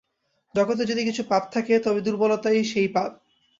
জগতে যদি কিছু পাপ থাকে, তবে দুর্বলতাই সেই পাপ।